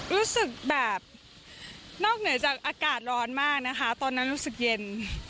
รู้สึกแบบนอกเหนือจากอากาศร้อนมากนะคะตอนนั้นรู้สึกเย็น